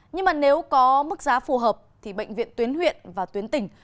nhưng nếu có mức giá phù hợp bệnh viện tuyến huyện và tuyến tỉnh